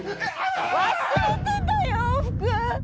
忘れてたよ服。